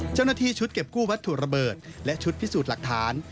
เจ้าหน้าที่ชุดเก็บกู้วัตถุระเบิดและชุดพิสูจน์หลักฐาน